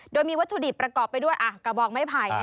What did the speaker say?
โดยมีวัตถุดิบประกอบไปด้วยกระบองไม้ไผ่